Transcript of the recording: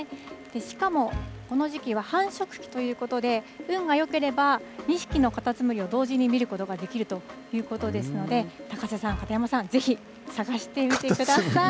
しかもこの時期は繁殖期ということで、運がよければ、２匹のカタツムリを同時に見ることができるということですので、高瀬さん、片山さん、ぜひ、探してみてください。